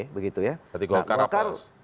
berarti golkar apa